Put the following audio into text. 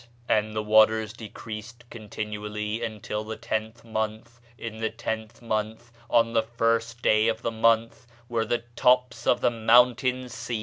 And the waters decreased continually until the tenth month: in the tenth month, on the first day of the mouth, were the tops of the mountains seen.